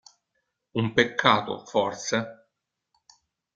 Un peccato, forse?